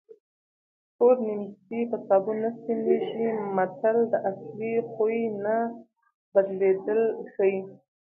تور نیمڅی په سابون نه سپینېږي متل د اصلي خوی نه بدلېدل ښيي